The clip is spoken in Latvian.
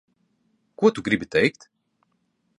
Ko tu gribi teikt?